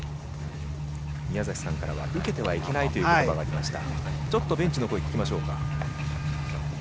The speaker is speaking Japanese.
宮崎さんからは受けてはいけないという言葉がありました。